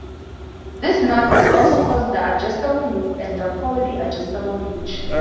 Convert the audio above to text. This knot is also called the adjustable loop and the Cawley adjustable hitch.